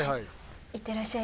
いってらっしゃい。